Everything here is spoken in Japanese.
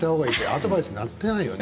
アドバイスになっていないよね